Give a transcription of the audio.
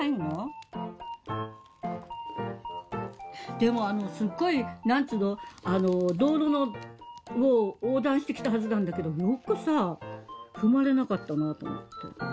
でもすっごい何つうの道路を横断して来たはずなんだけどよくさぁ踏まれなかったなと思って。